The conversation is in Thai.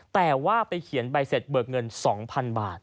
แต่ว่าไปเขียนใบเสร็จเบิกเงิน๒๐๐๐บาท